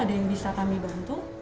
ada yang bisa kami bantu